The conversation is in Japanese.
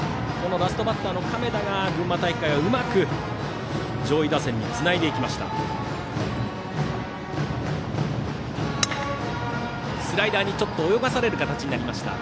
ラストバッターの亀田が群馬大会ではうまく上位打線につないでいきました。